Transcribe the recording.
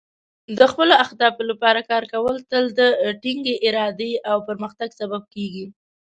د خپلو اهدافو لپاره کار کول تل د ټینګې ارادې او پرمختګ سبب کیږي.